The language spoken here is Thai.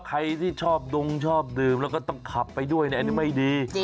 ใครที่ชอบดงชอบดื่มแล้วก็ต้องขับไปด้วยอันนี้ไม่ดี